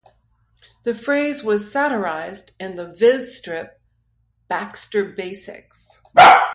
The phrase was satirised in the "Viz" strip Baxter Basics.